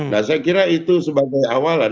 nah saya kira itu sebagai awalan